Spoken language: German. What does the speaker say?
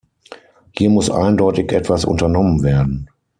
Hier muss eindeutig etwas unternommen werden.